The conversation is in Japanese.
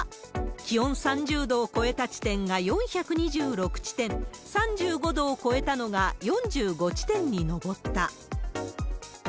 気温３０度を超えた地点が４２６地点、３５度を超えたのが４５地点に上った。